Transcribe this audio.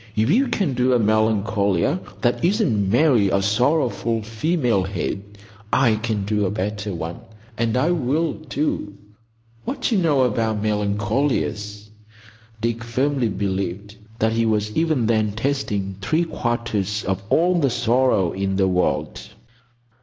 If you can do a Melancolia that isn't merely a sorrowful female head, I can do a better one; and I will, too. What d'you know about Melacolias?" Dick firmly believed that he was even then tasting three quarters of all the sorrow in the world.